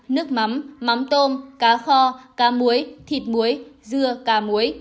nước mắm mắm tôm cá kho cá muối thịt muối dưa cá muối